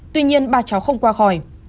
tuy nhiên ba cháu không qua khỏi